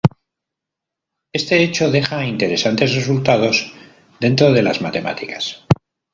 Este hecho deja interesantes resultados dentro de las matemáticas.